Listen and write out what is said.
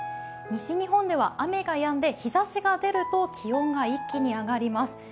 西日本では雨がやんで日ざしが出ると気温が一気に上がります。